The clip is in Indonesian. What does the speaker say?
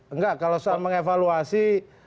enggak kalau soal mengevaluasi